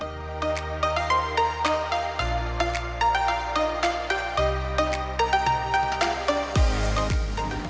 pemotongan kain peredam